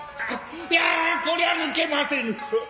いやこりゃ抜けませぬ。